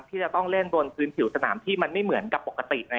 ที่จะต้องเล่นบนพื้นผิวสนามที่มันไม่เหมือนกับปกติ